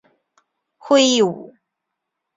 讳一武。